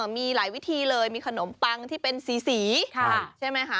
มีหลายวิธีเลยมีขนมปังที่เป็นสีใช่ไหมคะ